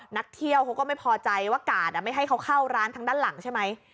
นักเที่ยวเขาก็ไม่พอใจว่ากาดไม่ให้เขาเข้าร้านทางด้านหลังใช่ไหม